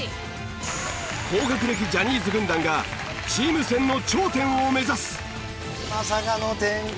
高学歴ジャニーズ軍団がチーム戦の頂点を目指す！